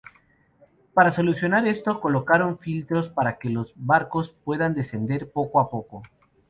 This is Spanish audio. Para solucionar esto, colocaron filtros para que los barcos pudieran descender poco a poco.